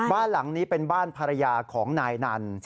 บ้านหลังนี้เป็นบ้านภรรยาของนายนัน